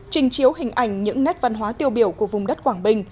trình chiếu hình ảnh những nét văn hóa tiêu biểu của vùng đất quảng bình